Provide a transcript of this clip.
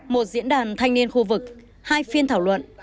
một diễn đàn thanh niên khu vực hai phiên thảo luận